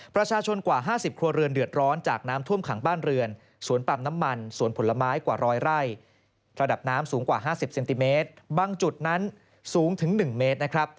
ประชาชนกว่า๕๐ครัวเรือนเดือดร้อนจากน้ำท่วมขังบ้านเรือนสวนปั๊มน้ำมันสวนผลไม้กว่าร้อยไร่ระดับน้ำสูงกว่า๕๐เซนติเมตรบางจุดนั้นสูงถึง๑เมตรนะครับ